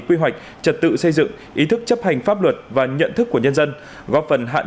quy hoạch trật tự xây dựng ý thức chấp hành pháp luật và nhận thức của nhân dân góp phần hạn